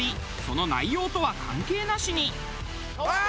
その内容とは関係なしに。